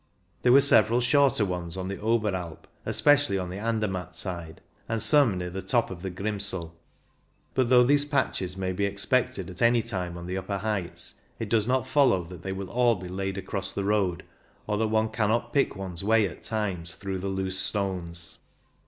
There were several shorter ones on the Oberalp, especially on the Andermatt side, and some near the top of the Grimsel ; but though these patches may be expected at any time on the upper heights, it does not follow that they will all be laid across the road, or that one cannot pick one's way at times through the loose stones.